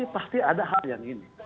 pasti ada hal yang ini